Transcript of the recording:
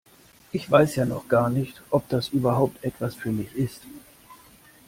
Ich weiß ja noch gar nicht, ob das überhaupt etwas für mich ist.